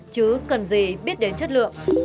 chứ cần gì biết đến chất lượng